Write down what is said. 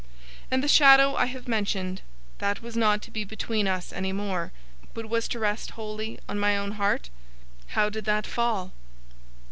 And the shadow I have mentioned, that was not to be between us any more, but was to rest wholly on my own heart? How did that fall?